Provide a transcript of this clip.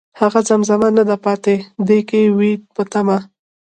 هغه زمزمه نه ده پاتې، ،دی که وي په تمه